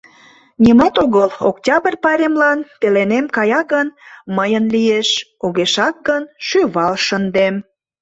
Нимат огыл, Октябрь пайремлан пеленем кая гын, мыйын лиеш, огешак гын, шӱвал шындем.